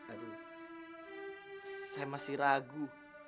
aduh saya masih ragu